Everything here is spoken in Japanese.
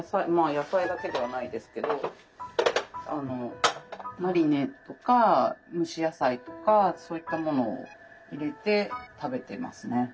野菜だけではないですけどマリネとか蒸し野菜とかそういったものを入れて食べてますね。